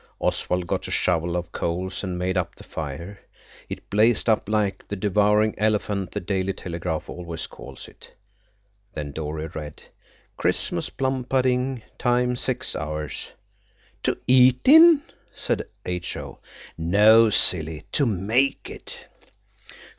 Oswald got a shovel of coals and made up the fire. It blazed up like the devouring elephant the Daily Telegraph always calls it. Then Dora read– "'Christmas plum pudding. Time six hours.'" "To eat it in?" said H.O. "No, silly! to make it."